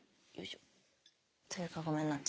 ていうかごめんなっち